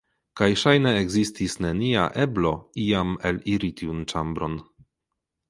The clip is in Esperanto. Kaj ŝajne ekzistis nenia eblo iam eliri tiun ĉambron.